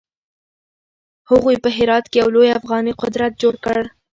هغوی په هرات کې يو لوی افغاني قدرت جوړ کړ.